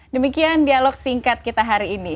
demikian dialog singkat kita hari ini